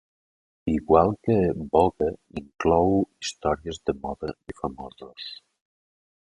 Igual que "Vogue", inclou històries de moda i famosos.